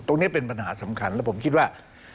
ตรงนี้เป็นปัญหาสำคัญและผมคิดว่า